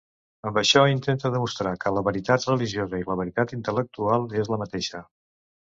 Amb això, intenta demostrar que la veritat religiosa i la veritat intel·lectual és la mateixa.